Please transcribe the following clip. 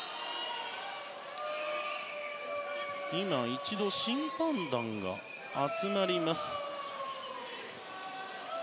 一度、審判団が集まります。